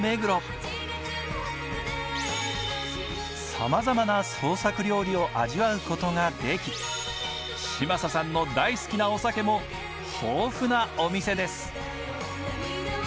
様々な創作料理を味わうことができ嶋佐さんの大好きなお酒も豊富なお店です